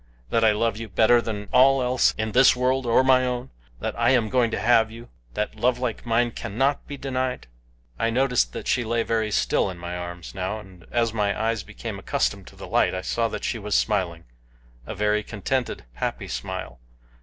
That I love you better than all else in this world or my own? That I am going to have you? That love like mine cannot be denied?" I noticed that she lay very still in my arms now, and as my eyes became accustomed to the light I saw that she was smiling a very contented, happy smile.